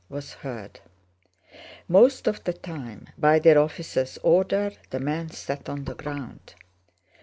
was heard. Most of the time, by their officers' order, the men sat on the ground.